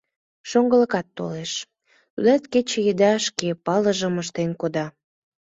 Шоҥгылыкат толеш, тудат кече еда шке палыжым ыштен кода.